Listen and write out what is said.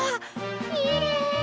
きれい！